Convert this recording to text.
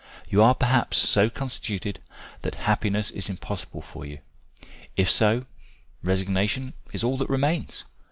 "You are perhaps so constituted that happiness is impossible for you. If so, resignation is all that remains.